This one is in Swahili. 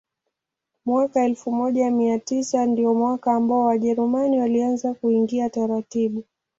Mwaka elfu moja mia tisa ndio mwaka ambao Wajerumani walianza kuingia taratibu